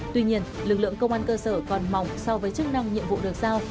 tuy nhiên lực lượng công an cơ sở còn mỏng so với chức năng nhiệm vụ được giao